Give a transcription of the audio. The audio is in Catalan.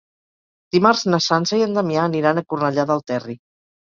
Dimarts na Sança i en Damià aniran a Cornellà del Terri.